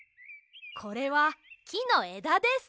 これはきのえだです。